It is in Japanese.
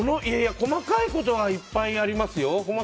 細かいことはいっぱいありますよ。